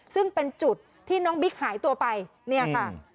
ซึ่งเป็นจุดที่น้องบิ๊กหายตัวไปเนี่ยค่ะ